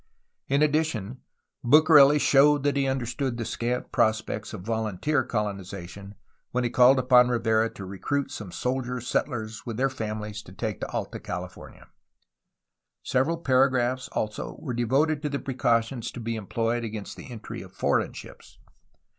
In addition, Bucareli showed that he understood the scant prospects of volunteer coloniza tion when he called upon Rivera to recruit some soldier settlers with their families to take to Alta California. Several paragraphs, also, were devoted to the precautions to be employed against the entry of foreign ships.